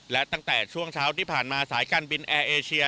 และตั้งแต่ช่วงเช้าที่ผ่านมาสายการบินแอร์เอเชีย